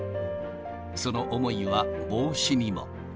その思いは帽子にも。